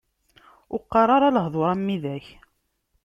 Ur qqar ara lehdur am widak!